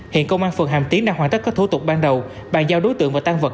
hiện công an phường hàm tiến đang hoàn tất các thủ tục ban đầu bàn giao đối tượng và tan vật